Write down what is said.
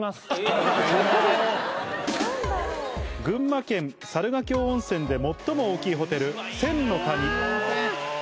群馬県猿ヶ京温泉で最も大きいホテル千の谷。